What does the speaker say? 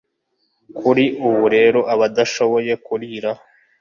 Kuri ubu rero abadashoboye kurira